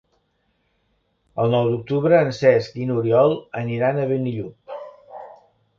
El nou d'octubre en Cesc i n'Oriol aniran a Benillup.